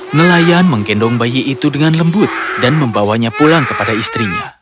nelayan menggendong bayi itu dengan lembut dan membawanya pulang kepada istrinya